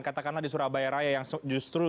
katakanlah di surabaya raya yang justru